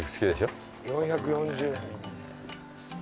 ４４０円。